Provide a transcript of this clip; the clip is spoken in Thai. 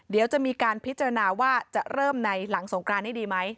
เดี๋ยวจะมีการพิจารณาว่าจะเริ่มในหลังสงกรานให้ดีไหม